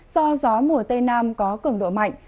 do gió mùa tây nam có cường độ mạnh